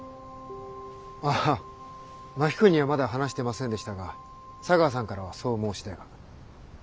あ真木君にはまだ話してませんでしたが茶川さんからはそう申し出が。